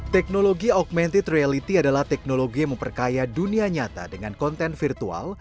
teknologi augmented reality adalah teknologi yang memperkaya dunia nyata dengan konten virtual